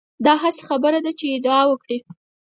دا هسې خبره ده چې ادعا وکړي.